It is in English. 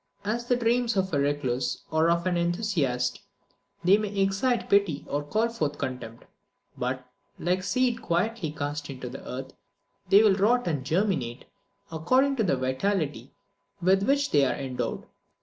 As the dreams of a recluse or of an enthusiast, they may excite pity or call forth contempt; but, like seed quietly cast into the earth, they will rot and germinate according to the vitality with which they are endowed.